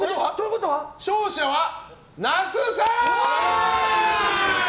勝者は那須さん！